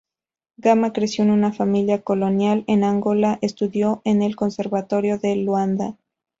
Gama creció en una familia colonial en Angola, estudió en el conservatorio de Luanda.